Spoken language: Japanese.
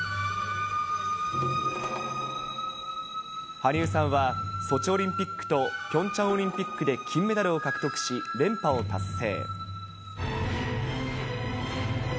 羽生さんは、ソチオリンピックとピョンチャンオリンピックで金メダルを獲得し、連覇を達成。